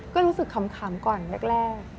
ก็รู้สึกขำก่อนแรก